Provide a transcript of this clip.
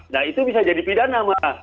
nah itu bisa jadi pidana mbak